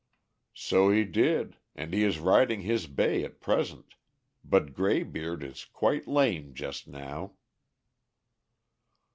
"So he did, and he is riding his bay at present. But Graybeard is quite lame just now."